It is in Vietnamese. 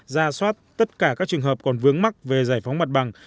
ra soát tất cả các trường hợp còn vướng mắt về giải phóng mặt bằng